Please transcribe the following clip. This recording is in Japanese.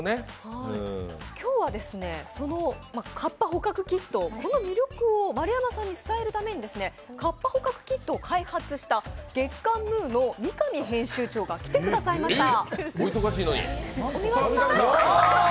今日は、そのカッパ捕獲キットの魅力を丸山さんに伝えるために、カッパ捕獲キットを開発した「月刊ムー」の三上編集長が来てくださいました。